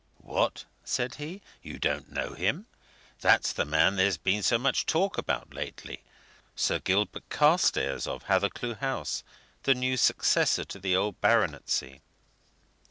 "What?" said he. "You don't know him? That's the man there's been so much talk about lately Sir Gilbert Carstairs of Hathercleugh House, the new successor to the old baronetcy."